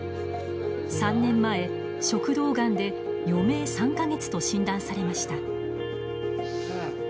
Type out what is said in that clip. ３年前食道がんで余命３か月と診断されました。